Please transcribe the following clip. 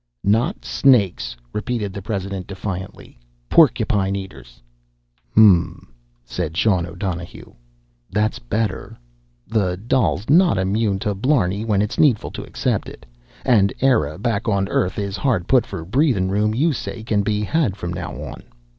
"Not snakes!" repeated the president defiantly. "Porcupine eaters!" "Hm m m," said Sean O'Donohue. "That's better. The Dail's not immune to blarney when it's needful to accept it and Eire back on Earth is hard put for breathin' room you say can be had from now on.